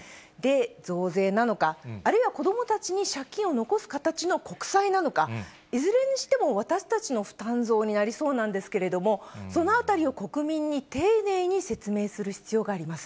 増税なのか、あるいは子どもたちに借金を残す形の国債なのか、いずれにしても私たちの負担増になりそうなんですけれども、そのあたりを国民に丁寧に説明する必要があります。